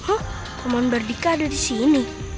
hah paman bardika ada di sini